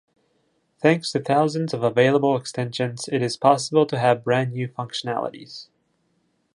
Thanks to thousands of available extensions it is possible to have brand new functionalities.